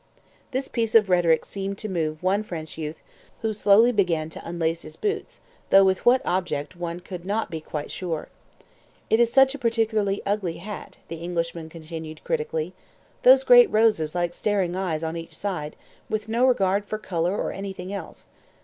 This piece of rhetoric seemed to move one French youth, who slowly began to unlace his boots, though with what object one could not be quite sure. "It is such a particularly ugly hat," the Englishman continued critically. "Those great roses like staring eyes on each side, with no regard for colour or anything else."